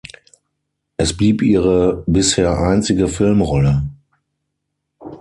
Es blieb ihre bisher einzige Filmrolle.